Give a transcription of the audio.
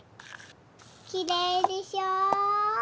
きれいでしょ？